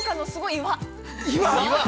◆岩？